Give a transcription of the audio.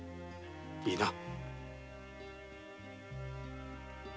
いいな！？